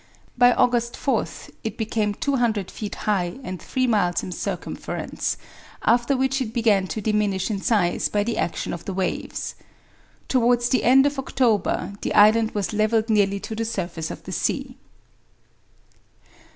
By August 4th it became 200 feet high and three miles in circumference; after which it began to diminish in size by the action of the waves. Towards the end of October the island was levelled nearly to the surface of the sea.